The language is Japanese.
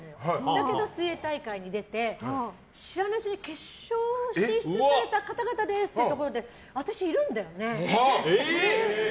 だけど水泳大会に出て知らないうちに決勝進出された方々ですっていうところで私いるんだよね。